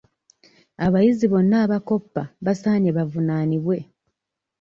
Abayizi bonna abakoppa basaaanye bavunaanibwe.